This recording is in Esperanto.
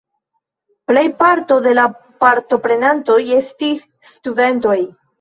Plejparto de la partoprenantoj estis studentoj.